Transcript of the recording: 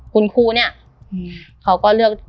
คุณครูเนี่ยเขาก็เลือก